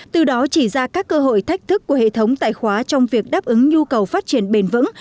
từ đó chỉ ra các cơ hội thách thức của hệ thống tài khoá trong việc đáp ứng nhu cầu phát triển bền vững